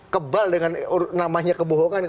kebal dengan namanya kebohongan